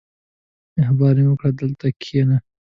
• مهرباني وکړه، دلته کښېنه.